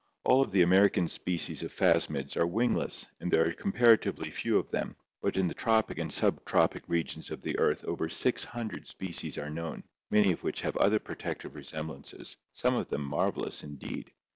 All of the American species of phasmids are wingless and there are comparatively few of them, but in the tropic and subtropic regions of the earth over six hundred species are known, many of which have other protec tive resemblances, some of them marvelous indeed.